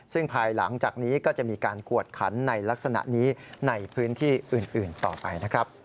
ซึ่งภายหลังจากนี้ก็จะมีการกวดขันในลักษณะนี้ในพื้นที่อื่นต่อไปนะครับ